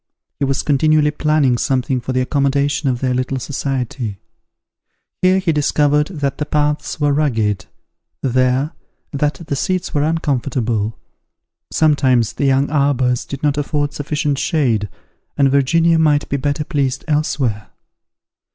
He was continually planning something for the accommodation of their little society. Here he discovered that the paths were rugged; there, that the seats were uncomfortable: sometimes the young arbours did not afford sufficient shade, and Virginia might be better pleased elsewhere.